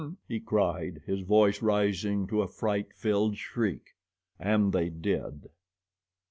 he cried, his voice rising to a fright filled shriek. And they did.